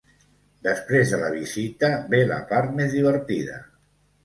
Després de la visita ve la part més divertida.